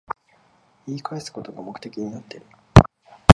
言い返すことが目的になってる